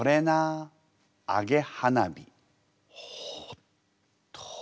おっと。